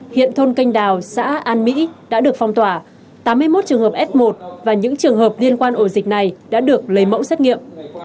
hiện thôn canh đào xã an mỹ đã được phong tỏa tám mươi một trường hợp f một và những trường hợp liên quan ổ dịch này đã được lấy mẫu xét nghiệm